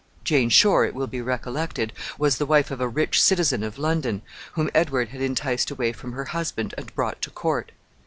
Jane Shore, it will be recollected, was the wife of a rich citizen of London, whom Edward had enticed away from her husband and brought to court.